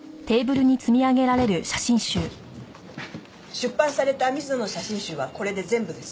出版された水野の写真集はこれで全部です。